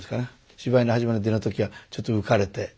芝居の始まり出の時はちょっと浮かれて。